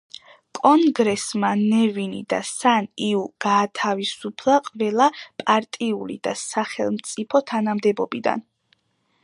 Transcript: კონგრესმა ნე ვინი და სან იუ გაათავისუფლა ყველა პარტიული და სახელმწიფო თანამდებობიდან.